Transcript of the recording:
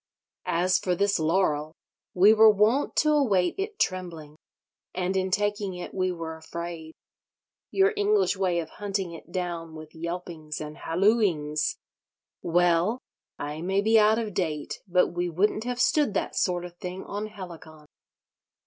As for this laurel, we were wont to await it trembling: and in taking it we were afraid. Your English way of hunting it down with yelpings and hallooings—well, I may be out of date, but we wouldn't have stood that sort of thing on Helicon."